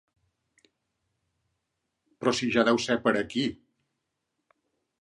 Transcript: Però si ja deu ser per aquí.